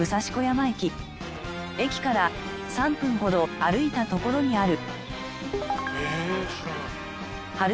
駅から３分ほど歩いた所にある。